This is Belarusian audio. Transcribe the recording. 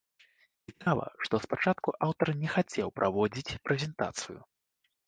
Цікава, што спачатку аўтар не хацеў праводзіць прэзентацыю.